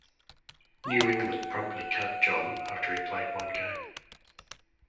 New England promptly cut John after he played one game.